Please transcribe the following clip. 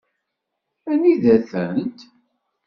Anida-tent?